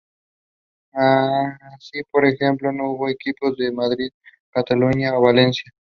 Así por ejemplo no hubo equipos de Madrid, Cataluña o Valencia.